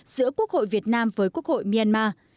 giữa quốc hội việt nam với quốc hội myanmar